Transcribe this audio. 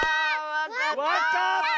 わかった！